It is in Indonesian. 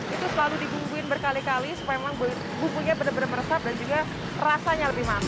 terus selalu dibungkuin berkali kali supaya memang bungkunya benar benar meresap dan juga rasanya lebih mantap